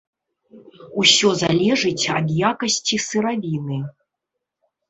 Усё залежыць ад якасці сыравіны.